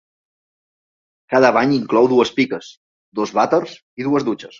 Cada bany inclou dues piques, dos vàters i dues dutxes.